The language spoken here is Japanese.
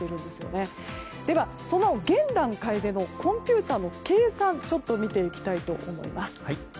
では、その現段階でのコンピューターの計算見ていきたいと思います。